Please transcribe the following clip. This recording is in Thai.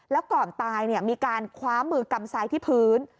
แล้วก่อนตายมีการคว้ามือกำซ้ายที่พื้น